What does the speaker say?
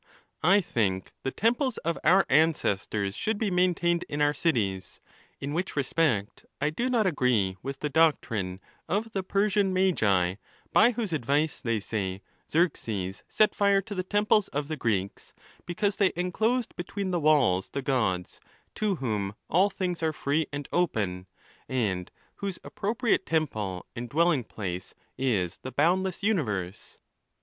I think the temples of our ancestors should be maintained in our cities. In which respect I do not agree with the doc trine of the Persian Magi, by whose advice, they say, Xerxes set fire to the temples of the Greeks, because they enclosed between the walls the Gods, to whom all things are free and open, and whose appropriate temple and dwelling "place is the boundless universe.